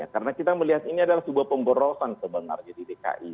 karena kita melihat ini adalah sebuah pemberosan sebenarnya di dki